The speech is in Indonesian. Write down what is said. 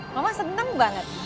mama seneng banget